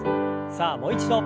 さあもう一度。